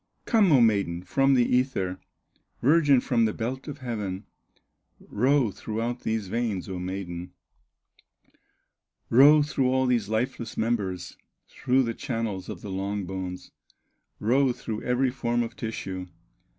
Come, O maiden, from the ether, Virgin from the belt of heaven, Row throughout these veins, O maiden, Row through all these lifeless members, Through the channels of the long bones, Row through every form of tissue.